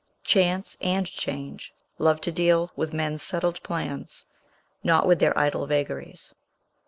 Chance and change love to deal with men's settled plans, not with their idle vagaries.